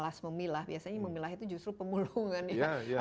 kelas memilah biasanya memilah itu justru pemulungan ya